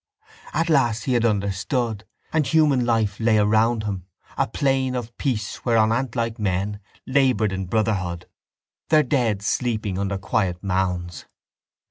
At last he had understood: and human life lay around him, a plain of peace whereon antlike men laboured in brotherhood, their dead sleeping under quiet mounds.